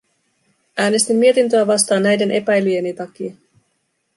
Äänestin mietintöä vastaan näiden epäilyjeni takia.